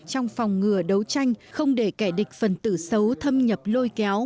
trong phòng ngừa đấu tranh không để kẻ địch phần tử xấu thâm nhập lôi kéo